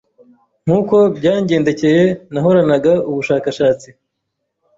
nkuko byangendekeye, nahoranaga ubushakashatsi